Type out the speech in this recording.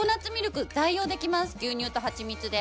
牛乳とハチミツで。